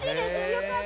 よかった。